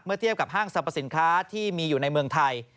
เทียบกับห้างสรรพสินค้าที่มีอยู่ในเมืองไทย